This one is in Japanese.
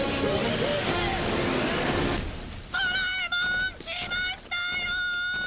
ドラえもん来ましたよ！